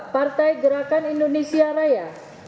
partai gerakan indonesia raya